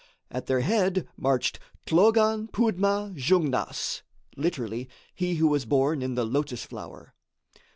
At their head marched Thlogan Poudma Jungnas (literally "he who was born in the lotus flower").